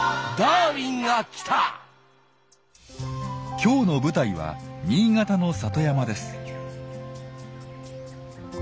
今日の舞台は新潟の里山です。